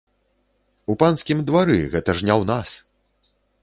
У панскім двары, гэта ж не ў нас.